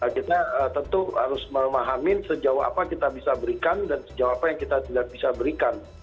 kita tentu harus memahamin sejauh apa kita bisa berikan dan sejauh apa yang kita tidak bisa berikan